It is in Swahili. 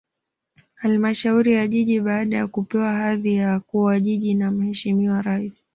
Halmashauri ya Jiji baada ya kupewa hadhi ya kuwa Jiji na Mheshimiwa Rais